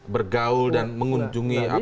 bergaul dan mengunjungi